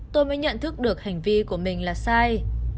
tôi mới nhận thức được hành vi của mình là sai